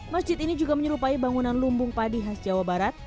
masjid ini juga menyerupai bangunan lumbung padi khas jawa barat